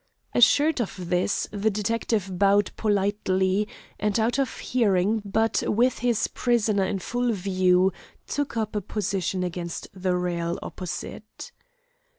Assured of this, the detective also bowed politely, and, out of hearing, but with his prisoner in full view, took up a position against the rail opposite.